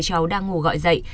cháu đang ngủ gọi dậy